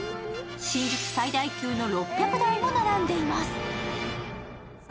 新宿最大級の６００台も並んでいます。